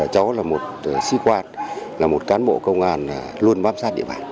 cháu là một sĩ quan là một cán bộ công an luôn bám sát địa bàn